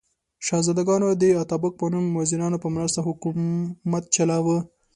شهزادګانو د اتابک په نوم وزیرانو په مرسته حکومت چلاوه.